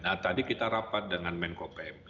nah tadi kita rapat dengan menko pmk